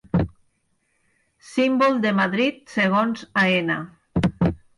Símbol de Madrid segons Aena.